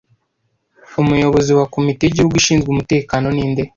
Umuyobozi wa komite y'igihugu ishinzwe umutekano ninde